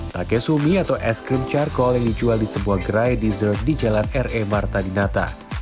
takesumi atau es krim carkol yang dijual di sebuah gerai dessert di jalan r e marta dinata